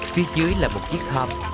phía dưới là một chiếc hôm